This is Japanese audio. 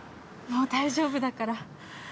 もう大丈夫だから。